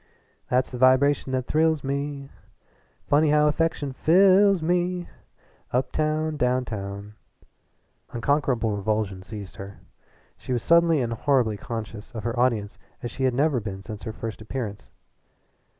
"That's the vibration that thrills me, Funny how affection fi lls me Uptown, downtown " Unconquerable revulsion seized her. She was suddenly and horribly conscious of her audience as she had never been since her first appearance.